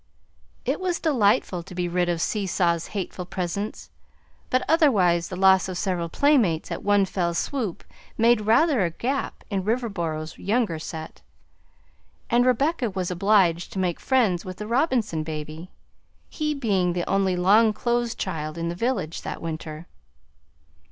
It was delightful to be rid of Seesaw's hateful presence; but otherwise the loss of several playmates at one fell swoop made rather a gap in Riverboro's "younger set," and Rebecca was obliged to make friends with the Robinson baby, he being the only long clothes child in the village that winter.